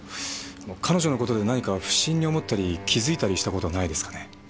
彼女の事で何か不審に思ったり気付いたりした事はないですかね？